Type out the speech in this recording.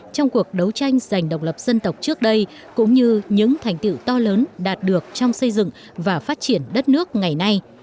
trong cuộc đấu tranh dành độc lập dân tộc trước đây cũng như những thành tiệu to lớn đạt được trong xây dựng và phát triển đất nước ngày nay